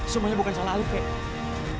semuanya bukan salah kamu kakek